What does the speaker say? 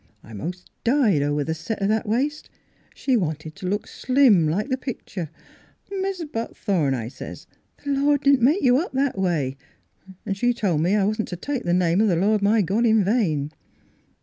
I mos' died over the set o' that waist. She wanted t' look slim like the picture. "'Mis' Buckthorn,' I sez, 'the Lord didn't make you up that way,' 'n' she tol' me I wasn't t' take the name of the Lord my God in vain.